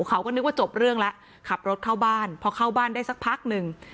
เขาก็นึกว่าจบเรื่องแล้วขับรถเข้าบ้านพอเข้าบ้านได้สักพักหนึ่ง